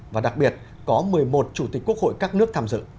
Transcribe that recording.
và đặc biệt có một mươi một chủ tịch quốc hội các nước tham dự